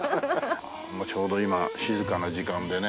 ちょうど今静かな時間でね。